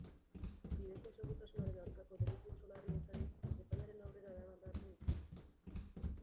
Bideko segurtasunaren aurkako delitu oso larria izanik, epailearen aurrera eraman beharko dute.